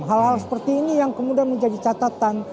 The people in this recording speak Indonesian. hal hal seperti ini yang kemudian menjadi catatan